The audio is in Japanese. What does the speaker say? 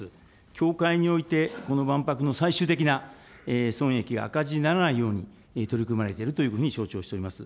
協会においてこの万博の最終的な損益赤字にならないように取り組まれているというふうに承知をしております。